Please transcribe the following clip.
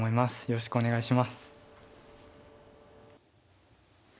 よろしくお願いします。